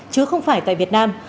chứ không phải tại việt nam